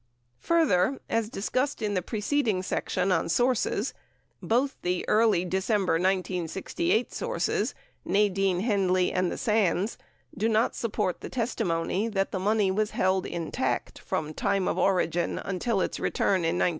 Further, as discussed in the preceding section on sources, both the early December 1968 sources (Nadine Henley and the Sands) do not support the testimony that the money was held intact from time of origin until its return in 1973.